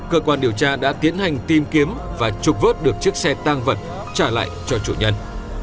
cơ quan điều tra đã tiến hành tìm kiếm và trục vớt được chiếc xe tăng vật trả lại cho chủ nhân